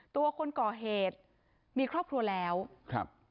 ตัวคนก่อเหตุมีครอบครัวแล้วครับ